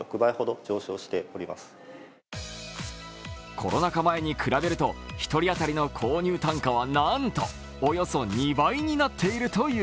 コロナ禍前に比べると１人当たりの購入単価はなんとおよそ２倍になっているという。